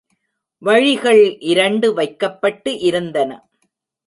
வழிகள் இரண்டு வைக்கப்பட்டு இருந்தன.